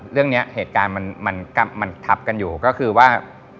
เหตุการณ์มันทับกันอยู่ก็คือว่า